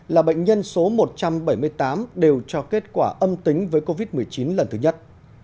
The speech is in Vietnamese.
là bệnh nhân số một trăm bảy mươi tám đều cho kết quả âm tính với covid một mươi chín lần thứ nhất